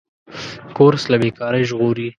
کورس له بېکارۍ ژغوري.